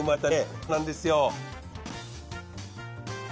そうなんですよ。